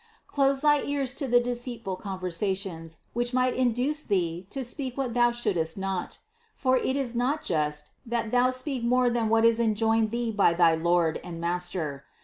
Close thy ears to the deceitful conversations, which might induce thee to speak what thou shouldst not; for it is not just, that thou speak more than what is enjoined thee by thy Lord and Master.